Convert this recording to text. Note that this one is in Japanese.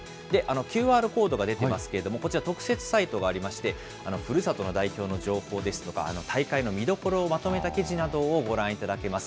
ＱＲコードが出ていますけれども、こちら、特設サイトがありまして、ふるさとの代表の情報ですとか、大会の見どころをまとめた記事などをご覧いただけます。